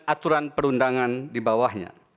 aturan perundangan di bawahnya